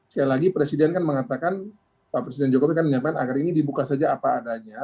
sekali lagi presiden kan mengatakan pak presiden jokowi kan menyampaikan agar ini dibuka saja apa adanya